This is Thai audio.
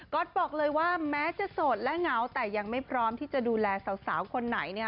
ก็บอกเลยว่าแม้จะโสดและเหงาแต่ยังไม่พร้อมที่จะดูแลสาวคนไหนเนี่ย